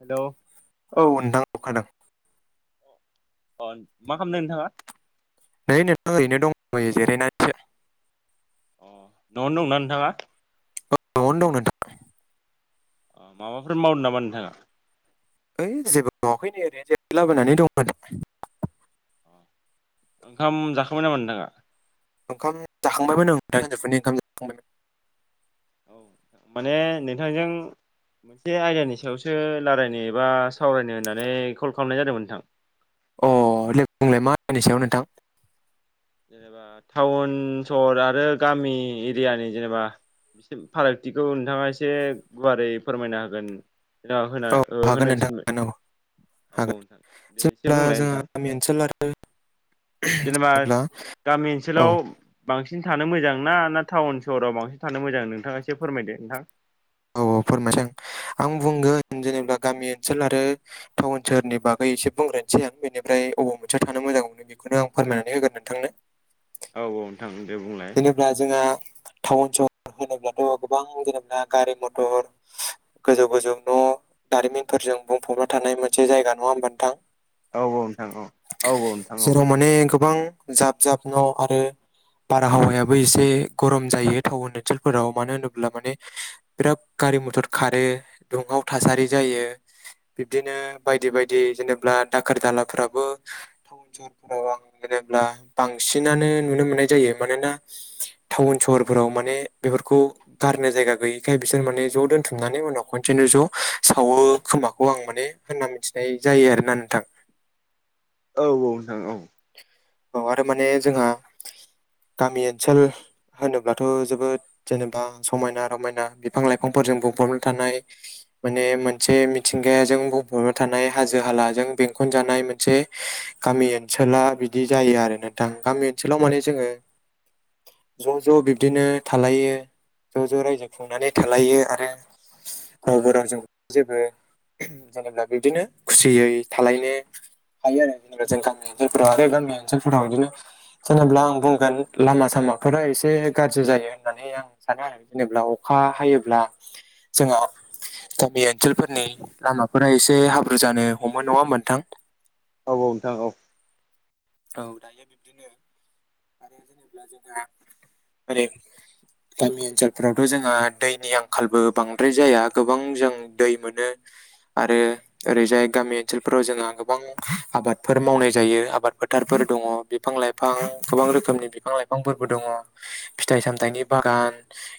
Hello औ नोंथां अखाहादों। अ मा खालामदो नोंथाङा नै नोंथां ओरैनो दं थयो जिरायनानैसो अ न'आवनो दंना नोंथाङा औ न'आवनो दं नोंथां। अ माबाफोर मावदो नामा नोंथाङा ओइ जेबो मावाखै नै ओरैनो जिरायला बायनानै दं आरो ओंखाम जाखांबाय नामा नोंथाङा। ओंखाम जाखांबायमोन ओं सानजौफुनि ओंखाम जाखांबायमोन। औ माने नोंथांजों मोनसे आयदानि सायावसो रायलायनो एबा सावरायनो होननानै कल खालामनाय जादोंमोन नोंथां। अ देलाय बुंलाय मा आंनि सायाव नोंथां जेनेबा टाउन सहर आरो गामि एरियानि जेनेबा बिसोर फारागथिखौ नोंथाङा एसे गुवारै फोरमायनो हागोन र होना औ ओ हागोन होनो नोंथां थिनमोन हागोन औ हागोन नोंथां दे एसे जेब्ला बुंलाय जोंहा नोंथां गामि ओनसोल आरो जेनेबा जेब्ला गामि औ ओनसोलाव बांसिन थानो मोजां ना ना टाउन सहराव बांसिन थानो मोजां नोंथाङा एसे फोरमायदो नोंथां फोरमायदों आं बुंगोन जेनेबा गामि ओनसोल आरो टाउन सोहोरनि बागै एसे बुंग्राय से आं बेनिफ्राय अबाव मोनसेयाव थानो मोजां मोनो बेखौनो आं फोरमायनानै होगोन नोंथांनो औ औ नोंथां दे बुंलाय। जेनेबा जोंहा टाउन सहर होनोब्लाथ' गोबां जेनेबा गारि मथर गोजौ गोजौ न' दारिमिनफोरजों बुंफबना थानाय मोनसे जायगा नङा होमब नोंथां। औ औ नोंथां औ औ औ नोंथां औ जेराव माने गोबां जाब जाब न' आरो बारहावायाबो एसे गरम जायो टाउन ओनसोलफोराव मानो होनोब्ला माने बिराद गारि मथर खारो दुंहाव थासारि जायो बिब्दिनो बायदि बायदि जेनेब्ला दाखोर दालाफ्राबो टाउन सहावफोराव आं जेनेब्ला बांसिनानो नुनो मोननाय जायो मानोना टाउन स हर फोराव माने बेफोरखौ गारनो जायगा गैयि बेखाय बिसोर माने ज दोनथुमनानै उनाव खनसेनो ज सावो खोमाखौ आं माने होनना मिथिनाय जायो आरोना नोंथां औ औ नोंथां औ औ आरो माने जोंहा गामि ओनसोल होनोब्लाथ जोबोद जेनेबा समायना रमायना बिफां लाइफांफोरजों बुंबबनो थानाय माने मोनसे मिथिंगाजों बुंफबाय थानाय हाजो हालाजों बेंखनजानाय मोनसे गामि ओनसोला बिदि जायो आरो नथां गामि ओनसोलाव माने जोङो ज ज बिब्दिनो थालायो ज ज रायजो खुंनानै थालायो आरो रावबो रावजों जेबो जेनेबा बिदिनो खुसियै थालायनो हाय र्र गान गान फनो [unintelligible] जेनोब्ला आं बुंगोन लामा सामाफोरा एसे गाज्रि जायो होननानै आं सानो आरो जेनेबा अखा अखा हायोब्ला जोङो गामि ओनसोलफोरनि लामाफोरा एसे हाब्रु जानो हमो नङा होनबा नोंथां औ औ नोंथां औ औ दायो बिब्दिनो [unintelligible] गामि ओनसोलफोरावथ जोंहा दैनि आंखालबो बांद्राय जाया गोबां जों दै मोनो आरो ओरैजाय गामि ओनसोलफोराव जोंहा गोबां आबादफोर मावनाय जायो आबाद फोथारफोर दङ बिफां लाइफां गोबां रोखोमनि बिफां लाइफांफोरबो दङ फिथाइ सामथाइनि बागान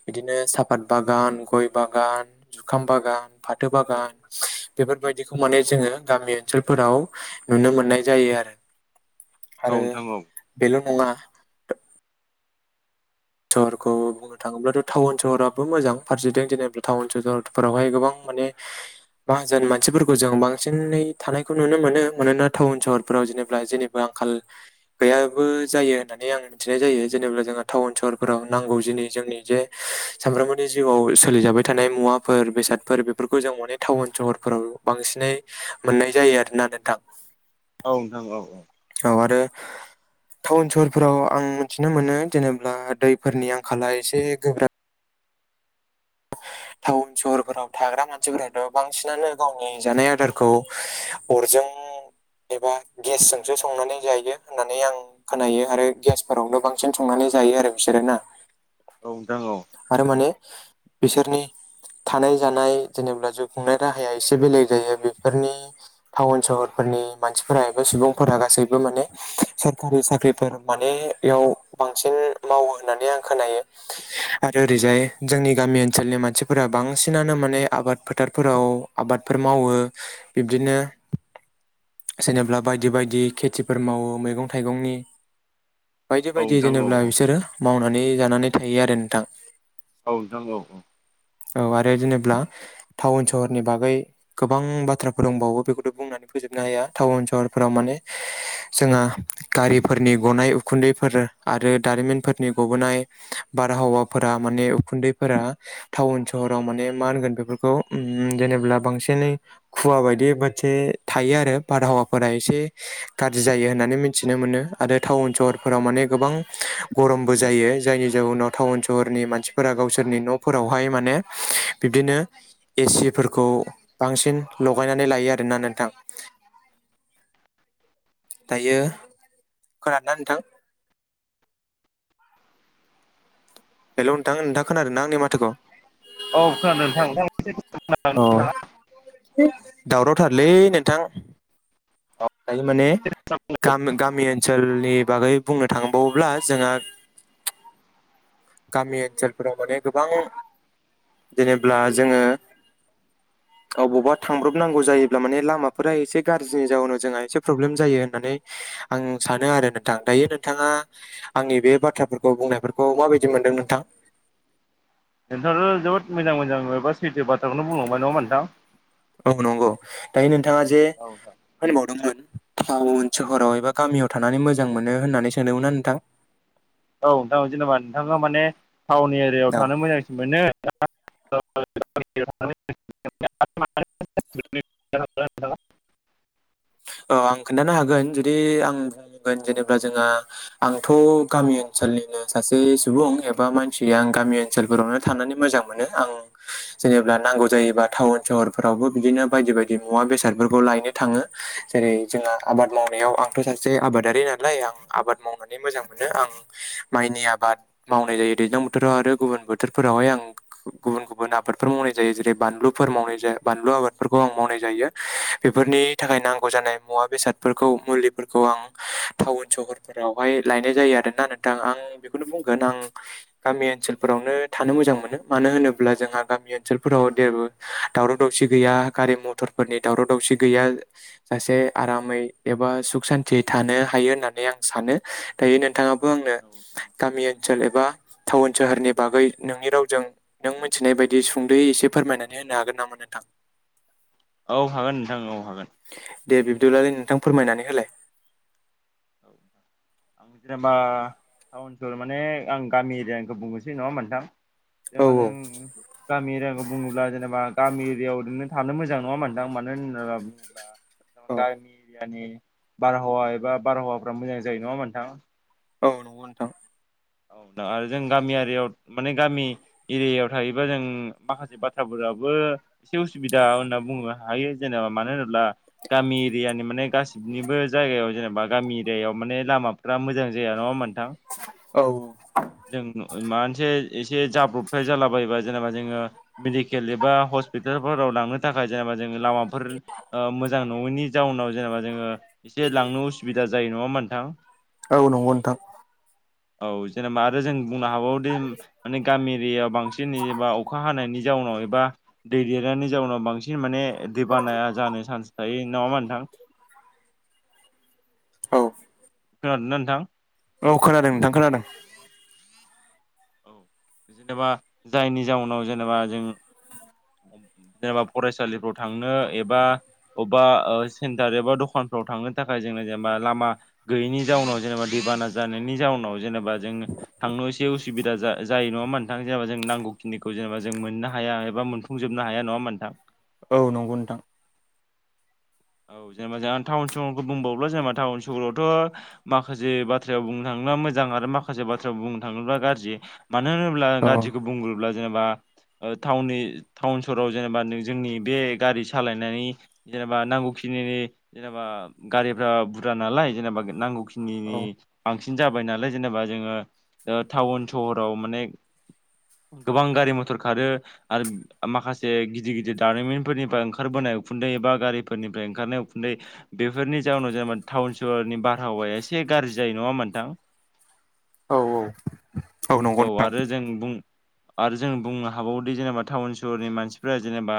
बिदिनो साफात बाग बागान गय बागान जुखाम बागान फाथो बागान बेफोरबायदिखौ माने जोंङो गामि ओनसोलफोराव नुनो मोननाय जायो आरो। आरो औ बेल नंङा सहरखौ बुंनो थाङोब्लाथ टाउन सहराबो मोजां फारसेथिं जेनेबा टाउन सहरफोरावहाय गोबां मान माहाजोन मानसिफोरखौ जों बांसिनै थानायखौ नुनो मोनो मानोना टाउन सहरफोराव जेनेबा जेनिबो आंखाल गैयाबो जायो होननानै आं मिथिनाय जायो जेनेबा जोंहा टाउन सहर नांगौ दिनि जोंनि जे सानफ्रामबोनि जिउआव सोलिजाबाय थानाय मुवाफोर बेसादफोर बे बेफोरखौ जों माने टाउन सहरफोराव बांसिनै मोननाय जायो आरोना नोंथां । औ नोंथां औ औ औ आरो टाउन सहरफोराव आं मिथिनो मोनो जेनेबा दैफोरनि आंखाला एसे गोब्राब। टाउन सहरफोराव थाग्रा मानसिफोराथ बांसिनानो गावनि जानाय आदारखौ अर जों एबा गेसजोंसो संनानै जायो होननानै आं खोनायो आरो गेसफोरावनो बांसिन संनानै जायो आरो बिसोरो ना। औ नोंथां औ आरो माने बिसोरनि [inaudible] थानाय जानाय जेनेबा जिउ खुंनाय राहाया एसे बेलेग जायो बेफोरनि टाउन सहरफोरनि मानसिफोरा एबा सुबुंफोरा गासैबो माने सरकारि साख्रिफोर माने बेयाव बांसिन मावो होननानै आं खोनायो आरो ओरैजाय जोंनि गामि ओनसोलनि फोर बांसिनानो माने आबाद फोथारफोराव आबादफोर मावो बिब्दिनो [inaudible] जेनेबा बायदि बायदि खेथिफोर मावो मैगं थाइगंनि बायदि औ बायदि नोंथां औ नोंथां औ जेनेबा बिसोरो मावनानै जानानै थायो आरो नोंथां औ नोंगौ औ आरो जेनेब्ला टाउन सहरनि बागै गोबां बाथ्रा फोर दंबावो बेखौथ बुंनानै फोजोबनो हाया टाउन सहरफोराव माने जोंहा गारिफोरनि गनाय उखुन्दैफोर आरो दारिमिनफोरनि गबोनाय बारहावाफोरा माने उखुन्दैफोरा टाउन सहराव माने मा होनगोन बेफोरखौ जेनेब्ला बांसिनै खुवा बायदि मोनसे थायो आरो बारहावाफोरा एसे गाज्रि जायो होननानै मिथिनो मोनो आरो टाउन सहरफोराव मान माने गोबां गरमबो जायो जायनि जाउनाव टाउन सहरनि मानसिफोरा गावसोरनि न'फोराव ओफाय माने। बिब्दिनो ए सि फोरखौ बांसिन लगायनानै लायो आरोना नोंथां। [inaudible] दायो खोनादोंना नोंथां? हेलौ नोंथां नोंथांङा खोनादोंना आंनि माथोखौ? औ खोनादों नोंथां नोंथाङा अ दावरावथारलै नोंथां। दायो माने गाम गाम गामि ओनसोलनि बागै बुंनो थांबावोब्ला जोंहा गामि ओनसोलफोराव माने गोबां जेनेब्ला जोंङो अबावबा थांब्रबनांगौ जायोब्ला माने लामाफोरा एसे गाज्रिनि जाउनाव जोंहा एसे प्रब्लेम जायो होननानै आं सानो आरो नोंथां दायो नोंथाङा आंनि बे बाथ्राफोरखौ बुंनायफोरखौ माबायदि मोन नोथां। नोंथाङाथ' जोबोद मोजां मोजां हबेबा सैथो बाथ्राखौनो बुंलांबाय नङा होनबा नोंथां। औ नंगौ दानि नोंथाङा जे नोंथां होनबावदोंमोन। टाउन सोहराव एबा गामियाव थानानै मोजां मोनो होननानै सोंदोंमोन ना नोंथां। औ नोंथाङा जेनेबा नोंथाङा माने टाउन एरियायाव औ थानो मोजांसिन मोनो। [unintelligible] म [unintelligible] औ आं खोनन्थानो हागोन जुदि आं बुंगोन जेनेबा जोंहा आंथ' गामि ओनसोल। ओनसोलनिनो सासे सुबुं एबा मानसि आं गामि ओनसोलफोरावनो थानानै मोजां मोनो आं। जेनेबा नांगौ जायोबा टाउन सहरफोरावबो बिदिनो बायदि बायदि मुवा बेसादफोरखौ लायनो थाङो। जेरै जोंहा आबाद मावनायाव आंथ' सासे आबादारि नालाय आं आबाद मावनानै मोजां मोनो आं। माइनि आबाद मावनाय जायो दैज्लां बोथोराव आरो गुबुन बोथोरफोरावहाय आं गुबुन गुबुन आबादफोराव। मावनाय जायो जेरै बानलु फोर मावनाय बानलु आबाद आमावनाय जायो बेफोरनि थाखायनो आ नांगौ जानाय मुवा बेसादफोरखौ मुलिफोरखौ आं टाउन सहर फोरावहाय लायनाय जायो आरोना नों थां आं बेखौनो बुंगोन आं गामि ओनसोलफोरावनो थानो मोजां मोनो मानो होनोब्ला जोंहा गा गामि ओनसोलफोराव जेबो दावराव दावसि गैया गारि मथरफोरनि दावराव दावसि गैया। जासे आरामै एबा सुख सान्थियै थानो हायो होननानै आं सानो दायो नोंथाङा। आंनो नोंथां गामि ओनसोल एबा। टाउन सोहोरनि बागै नोंनि रावजों नों मिथिनाय बायदि सुंद'यै एसे फोरमायनानै होनो हागोन नाम नो़ नोंथां। औ हागोन नोंथां औ हागोन। दे बिबदिबालाय नोंथां फोरमायनानै होलाय। औ [unintelligible] जेनेबा टाउन सहर माने आं गामि एरियानिखौ बुंनोसै नङा होनबा नोंथां। औ जेनेबा जों गामि एरियाखौ बुंङोब्ला जेनेबा। गामि एरियायाव ओरनो थानो मोजां नङा होनबा नोंथां मानो होननानै बुङोब्ला औ गामि [unintelligible] गामिनि बारहावा एबा बारहावाफ्रा मोजां जायो नङा होनबा नोंथां। औ नंगौ नोंथां। दा आरो जों गामियारियाव माने गामि एरियायाव थायोबा जों माखासे बाथ्राफोर। रावबो। एसे उसुबिदा होनना बुंनो हायो जेनेबा मानो होनोब्ला गामि एरियानि माने गासिनिबो। जायगायाव जेनेबा गामि एरियाायाव माने लामाफोरा मोजां जाया नङा होनबा नोंथां। औ। जों मान एसे जाब्रबथाय जाला बायोबा जेनेबा जोङो मेडिकेल एबा हस्पिटालफोराव लांनो थाखाय जेनेबा। जोङो लामाफोर ओ मोजां नङैनि जाउनाव जेनेबा जोङो एसे लांनो उसुबिदा जायो नङा होनबा। नोंथां। औ नंगौ नोंथां औ जेनेबा आरो जों बुंनो हाबावदि माने गामि एरियायाव बांसिन एबा अखा हानायनि जाउनाव बा दै देरनायनि जाउनाव बांसिन माने दैबानाया जानो चान्स थायो नङाहोनबा नोंथां औ खोनादोना नोंथां औ खोनादों नोंथां खोनादों औ जेनेबा जायनि जाउनाव जेनेबा जों जेनेबा फरायसालिफ्राव थांनो एबा अबेबा सेन्टार एबा दखानफ्राव थांनो थाखाय जे जेनेबा लामा गैयिनि जाउनाव जेनेबा दैबाना जानायनि जाउनाव जेनेबा जोंङ थांनो एसे असुबिदा जायो नङाम मोनथां जेनेबा जों नांगौखिनिखौ जेनेबा जों मोननो हाया एबा मोनफुंजोबनो हाया नङा मोनथां औ नंगौ नोंथां औ जेनेबा जों आं टाउन सहरखौ बुंबावला जेनेबा टाउन सहरावथ' माखासे बाथ्रायाव बुंनो थाङोबो। बा मुजां माखसे बुंनो थाङोबा गारजि मानो होनोबा औ गारजाखौ बुंग्रोब्ला जेनेबा अ थाउननि थाउन सहराव जेनेबा जोंनि बे गारि सालायनानै जेनेबा नांगौ खानिनि‌ जेनेबा गारिफ्रा बुरजा नालाय जेनेबा नांगौ औ खनिनि बांसि सिन जाबाय नालाय जेनेबा जोङो अ थाउन सहराव माने गोबां गारि मथर खारो आरो माखासे गिदिर गिदिर दारिमिनफोरनिफ्राय ओंखारबोनाय उखुन्दै एब गारिफोरनि ओमफ्राय ओंखारनाय उखुन्दै बेफोरनि जाउनाव जेनेबा थाउन सहरनि बारहावाया एसे गाज्रि जायो नङा मोनथां औ नंगौ औ नोंथां आरो जों बुं आरो जों बुंनो हाबावोदि जेनेबा थाउन सहरनि मानसिफोरा जेनेबा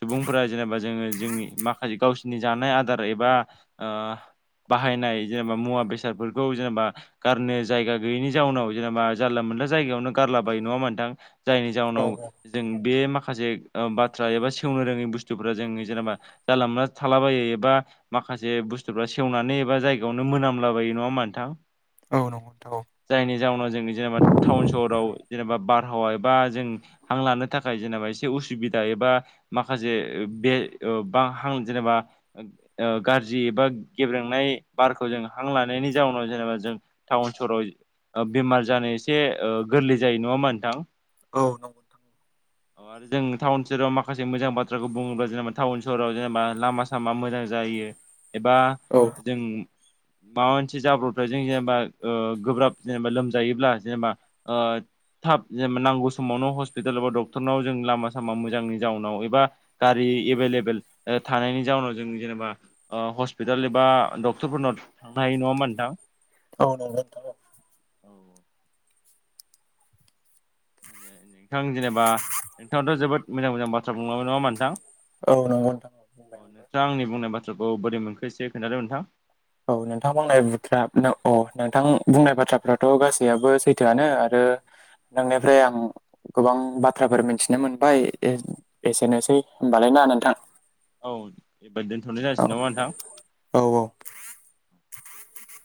सुबुंफोरा जेनेबा जोङो जोंनि माखासे गावसोरनि जानाय आदार एबा अ बाहायनाय जेनेबा मुवा बेसादफोरखौ जेनेबा गारनो जायगा गैयैनि जाउनाव जेनेबा जानला मानला मनला जायावनो गारला बायो नङा होनबा नोंथां जायनि औ जउनाव औ जों बे मा माखासे अ बाथ्रा एबा सेवनो रोङै बुस्थुफोरा जोंनि जेनेबा जानला मोनला थालाबायो एबा माखासे बुस्थुफ्रा सेवनानै एबा जायगायावनो मोनामलाबायो नङा होमबा नोंथां औ नंगौ नोंथां औ नंगौ नोंथां जायनि जाहनाव जों जेनेबा थाउन सहराव जेनेबा बार बारहावा एबा जों हां लानो थाखाय जेनेबा एसे उसुबिदा एबा माखासे बे अ बा हां जेनेबा अ गाज्रि एबा गेब्रेंनाय बारखौ जों हां लानायनि जाउनाव जेनेबा जों टाउन सहराव बेमार जानो एसे गोरलै जायो नङामा नोंथां औ नंगौ थां औ आरो जों थाउन सहाव माखासे मोजां बाथ्राखौ बुङोब्ला जेनेबा थाउन सहराव जेनेबा लामा सामा मोजां जायो एबा जों माबा मोनसे जाब्रबथाय जों अ जेनेबा गोब्राब जेनेबा लोमजायोब्ला जेनेबा अ थाब जेनेबा नांगौ समावनो हस्पिटाल एबा डक्टरनाव जों लामा सामा मोजांनि जाउनाव एबा गारि एभेलेबल अ थानायनि जाउनाव जों जेनेबा हस्पिटाल एबा डक्टरफोरनाव थांनो हायो नङामा नोंथां औ नंगौ नोंथां औ औ नोंथां जेनेबा नोंथाङाथ' जोबोद मोजां मोजां बाथ्रा बुंलांबाय नङा होनबा नोंथां औ नंगौ नोंथां औ अ बुंबाय आंबो नोंथां आंनि बुंनाय बाथ्राखौ बोरै मोनखोसो खोन्थादों नोंथां औ नोंथां बुंनाय बुरा औ नोंथां बुंनाय बाथ्राफ्राथ' गासैआबो सैथोआनो आरो ओ नोंनिफ्राय आं गोबां बाथ्राफोर मिथिनो मोनबाय एसेनोसै होमबालाय दा नोंथां औ एबादि दोनथ'नाय औ जासिग नामा नोंथां औ औ [unintelligible]